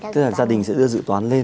tức là gia đình sẽ đưa dự toán lên